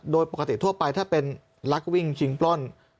โดยปกติทั่วไปถ้าเป็นลักวิ่งชิงปล้น